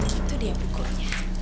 eh itu dia bukunya